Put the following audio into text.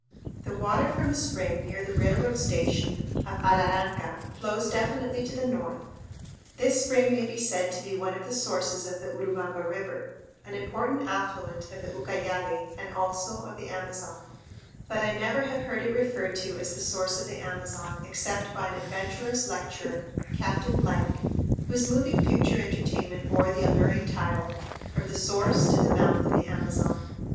The water from a spring near the railroad station of Araranca flows definitely to the north. This spring may be said to be one of the sources of the Urubamba River, an important affluent of the Ucayali and also of the Amazon, but I never have heard it referred to as "the source of the Amazon" except by an adventurous lecturer, Captain Blank, whose moving picture entertainment bore the alluring title, "From the Source to the Mouth of the Amazon."